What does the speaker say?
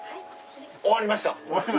終わりました。